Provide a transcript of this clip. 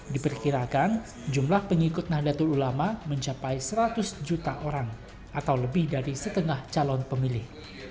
diperkirakan jumlah pengikut nahdlatul ulama mencapai seratus juta orang atau lebih dari setengah calon pemilih